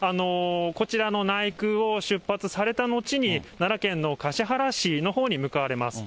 こちらの内宮を出発されたのちに、奈良県の橿原市のほうに向かわれます。